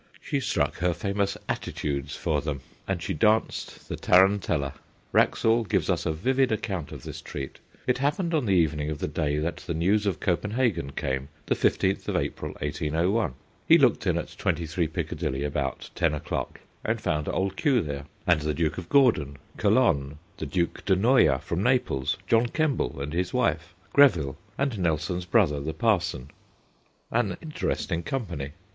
She struck her famous * attitudes ' for them, and she danced the tarantella. Wraxall gives us a vivid account of this treat. It happened on the evening of the day that the news of Copenhagen came, the 15th of April 1801. He looked in at 23 Piccadilly about ten o'clock, and found Old Q. there, and the Duke of Gordon, Calonne, the Duke de Noia from Naples, John Kemble and his wife, Greville, and Nelson's brother the parson an interesting company.